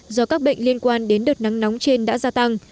do các bệnh liên quan đến đợt nắng nóng trên đã gia tăng